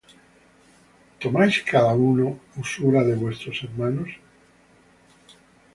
¿Tomáiscada uno usura de vuestros hermanos?